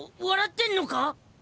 笑ってんのか？